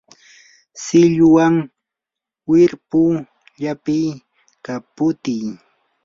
silluwan wirpu llapiy, kaputiy